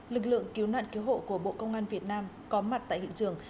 lực lượng cứu nạn cứu hộ của bộ công an việt nam có mặt tại hiện trường